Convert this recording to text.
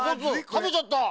たべちゃった！